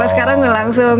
kalo sekarang udah langsung